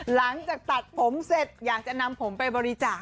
หลังจากตัดผมเสร็จอยากจะนำผมไปบริจาค